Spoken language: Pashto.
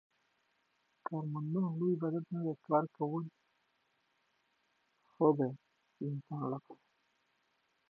کارموندنه لوی عبادت دی.